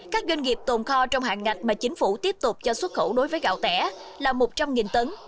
các doanh nghiệp tồn kho trong hàng ngạch mà chính phủ tiếp tục cho xuất khẩu đối với gạo tẻ là một trăm linh tấn